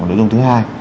nội dung thứ hai